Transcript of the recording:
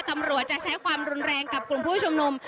ตำรวจจะใช้ความรุนแรงกับกลุ่มผู้ชมนม